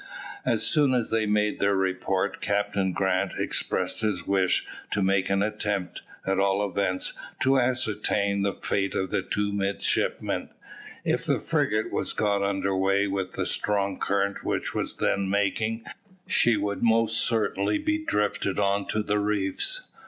As soon as they made their report, Captain Grant expressed his wish to make an attempt, at all events, to ascertain the fate of the two midshipmen. If the frigate was got under weigh with the strong current which was then making, she would most certainly be drifted on to the reefs.